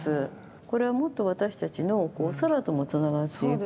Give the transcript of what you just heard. これはもっと私たちの空ともつながっていく。